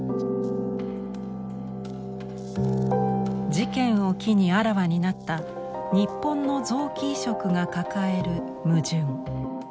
事件を機にあらわになった日本の臓器移植が抱える矛盾。